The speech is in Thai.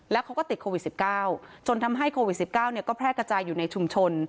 แล้วเขาก็ติดโควิด๑๙จนทำให้โควิด๑๙ก็แพร่กระจายอยู่ในชุมชน